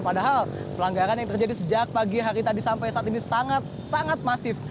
padahal pelanggaran yang terjadi sejak pagi hari tadi sampai saat ini sangat sangat masif